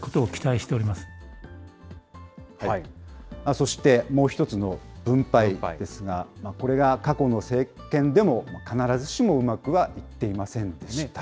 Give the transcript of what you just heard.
そして、もう一つの分配ですが、これが過去の政権でも必ずしもうまくはいっていませんでした。